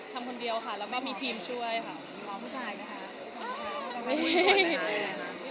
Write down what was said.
ทำคนเดียวค่ะแล้วก็มีทีมช่วยค่ะ